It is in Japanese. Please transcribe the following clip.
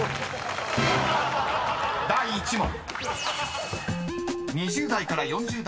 ［第１問］